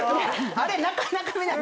あれなかなか見ない。